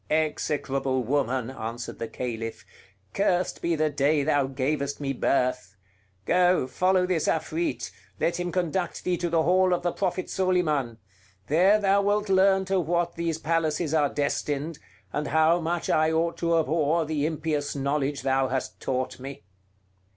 "Execrable woman!" answered the Caliph; "cursed be the day thou gavest me birth! Go, follow this Afrit, let him conduct thee to the hall of the Prophet Soliman; there thou wilt learn to what these palaces are destined, and how much I ought to abhor the impious knowledge thou hast taught me."